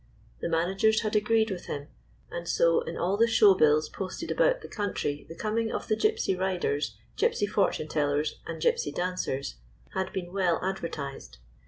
The managers had agreed with him, and so in all the showbills posted about the country the coming of the Gypsy riders, Gypsy fortune tellers and Gypsy dancers had been well advertised.